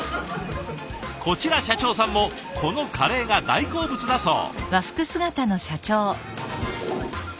こちら社長さんもこのカレーが大好物だそう。